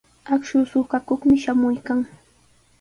Akshu suqakuqmi shamuykan.